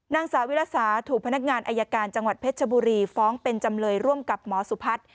นางสาวิรสาถูกพนักงานอายการจังหวัดเพชรชบุรีฟ้องเป็นจำเลยร่วมกับหมอสุพัฒน์